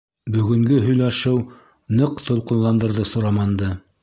Бөгөнгө һөйләшеү ныҡ тулҡынландырҙы Сураманды.